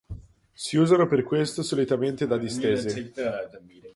Si usano per questo solitamente da distesi.